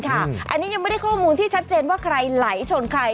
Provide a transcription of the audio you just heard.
อันนี้ยังไม่ได้ข้อมูลที่ชัดเจนว่าใครไหลชนใคร